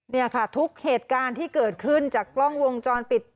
นี่ค่ะทุกเหตุการณ์ที่เกิดขึ้นจากกล้องวงจรปิด